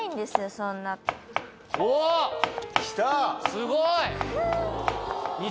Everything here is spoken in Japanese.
すごい！